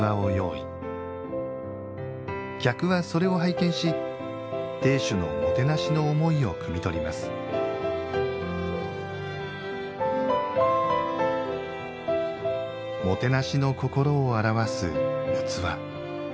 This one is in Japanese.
客はそれを拝見し亭主のもてなしの思いをくみ取りますもてなしの心を表す器。